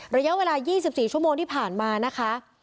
ระยะเวลา๒๔ชั่วโมงที่ผ่านมานะคะ